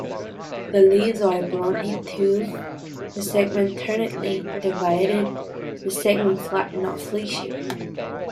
The leaves are bluntly toothed, the segments ternately divided the segments flat, not fleshy.